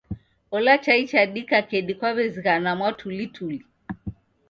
Ola chai chadika kedi kwaw'ezighana mwatulituli.